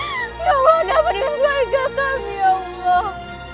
ya allah kenapa dengan keluarga kami ya allah